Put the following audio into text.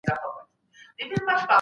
ما مخکي منډه وهلې وه.